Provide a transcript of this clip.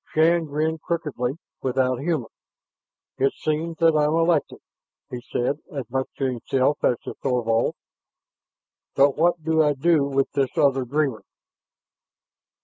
Shann grinned crookedly, without humor. "It seems that I'm elected," he said as much to himself as to Thorvald. "But what do I do with this other dreamer?"